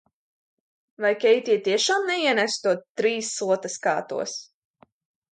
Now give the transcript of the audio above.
"Vai Keitija tiešām neienesa to "Trīs slotaskātos"?"